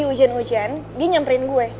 hujan hujan dia nyamperin gue